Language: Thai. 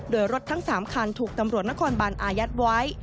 โดยรถทั้ง๓คันถูกตำรวจนครบานอายัดไว้